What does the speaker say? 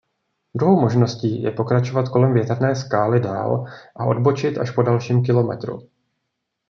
Druhou možností je pokračovat kolem Větrné skály dál a odbočit až po dalším kilometru.